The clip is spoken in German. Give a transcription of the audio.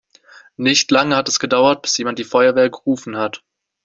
Nicht lange hat es gedauert, bis jemand die Feuerwehr gerufen hat.